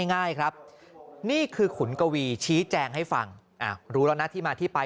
ง่ายครับนี่คือขุนกวีชี้แจงให้ฟังรู้แล้วนะที่มาที่ไป